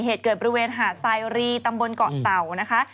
เหตุเกิดบริเวณหาดไซรีตำบลเกาะเต่านะคะ